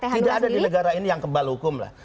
tidak ada di negara ini yang kebal hukum lah